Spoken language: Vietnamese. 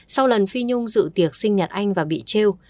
sau lần phi nhung dự tiệc sinh nhật anh và bị treo